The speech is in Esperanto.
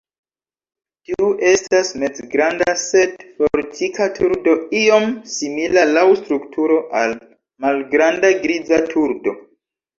Tiu estas mezgranda sed fortika turdo, iom simila laŭ strukturo al malgranda Griza turdo.